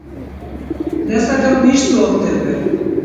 Не сакам ништо од тебе.